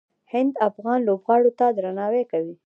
هند افغان لوبغاړو ته درناوی کوي.